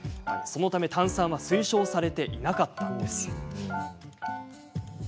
そのため、炭酸は推奨されていなかったんです。